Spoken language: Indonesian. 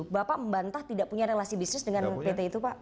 bapak membantah tidak punya relasi bisnis dengan pt itu pak